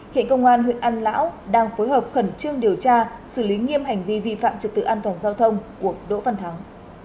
hiện công an huyện an lão đang phối hợp khẩn trương điều tra xử lý nghiêm hành vi vi phạm trật tự an toàn giao thông của đỗ văn thắng